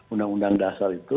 undang undang dasar itu